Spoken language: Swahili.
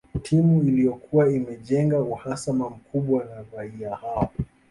Timu Iliyokuwa imejenga uhasama mkubwa na raia hao